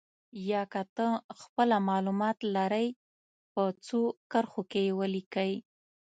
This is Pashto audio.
یا که خپله معلومات لرئ په څو کرښو کې یې ولیکئ.